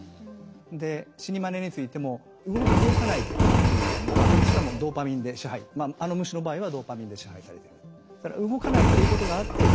で死にまねについても動く動かないっていうのがしかもドーパミンで支配あの虫の場合はドーパミンで支配されている。